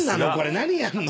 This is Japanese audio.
何やんの？